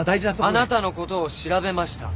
あなたのことを調べました。